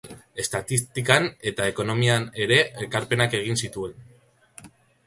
Estatistikan eta ekonomian ere ekarpenak egin zituen.